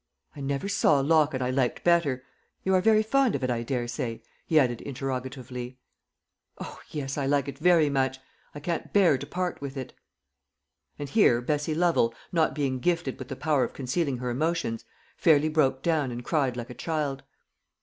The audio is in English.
"I never saw a locket I liked better. You are very fond of it, I daresay?" he added interrogatively. "O, yes, I like it very much! I can't bear to part with it." And here Bessie Lovel, not being gifted with the power of concealing her emotions, fairly broke down and cried like a child.